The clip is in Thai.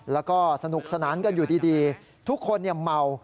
แล้วก็สนุกสนานกันอยู่ดีทุกคนเมา